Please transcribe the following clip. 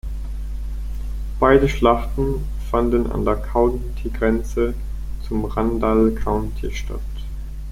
Beide Schlachten fanden an der Countygrenze zum Randall County statt.